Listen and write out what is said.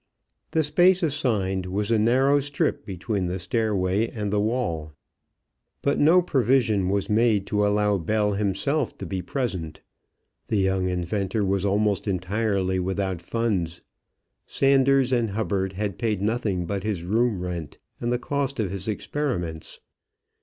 The space assigned was a narrow strip between the stairway and the wall. But no provision was made to allow Bell himself to be present. The young inventor was almost entirely without funds. Sanders and Hubbard had paid nothing but his room rent and the cost of his experiments.